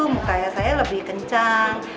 rambutnya lebih kencang